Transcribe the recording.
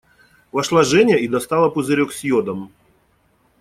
Вошла Женя и достала пузырек с йодом.